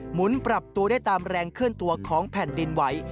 หมุนปรับตัวได้ตามแรงเคลื่อนตัวของแผ่นดินไหว